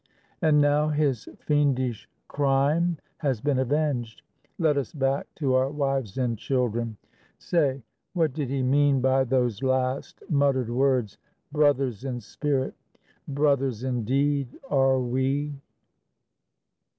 And now his fiendish crime has been avenged; Let us back to our wives and children. Say, What did he mean by those last muttered words, _"Brothers in spirit, brothers in deed are we"?